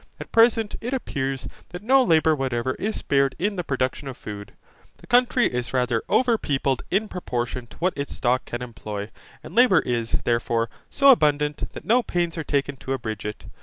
At present, it appears, that no labour whatever is spared in the production of food. The country is rather over people in proportion to what its stock can employ, and labour is, therefore, so abundant, that no pains are taken to abridge it.